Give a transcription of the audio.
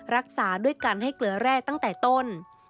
รักษาด้วยการให้เกลือแร่ตั้งแต่ต้น